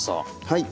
はい。